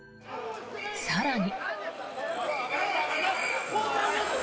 更に。